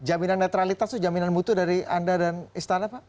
jaminan netralitas itu jaminan mutu dari anda dan istana pak